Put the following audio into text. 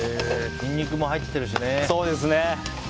ニンニクも入ってるしね。